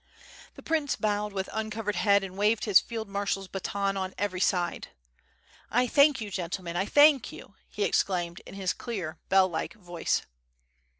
The prince bowed with uncovered head and waved his field marshaFs baton on every side. "1 thank you, gentlemen, I thank you!" he exclaimed in his clear, bell like voice.